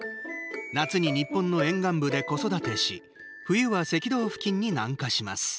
夏に日本の沿岸部で子育てし冬は赤道付近に南下します。